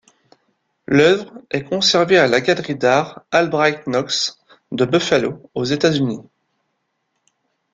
L'œuvre est conservée à la Galerie d'art Albright-Knox de Buffalo, aux États-Unis.